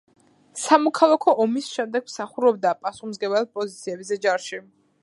სამოქალაქო ომის შემდეგ მსახურობდა პასუხისმგებელ პოზიციებზე ჯარში.